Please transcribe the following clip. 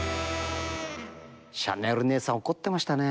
シャネルねえさん怒ってましたね。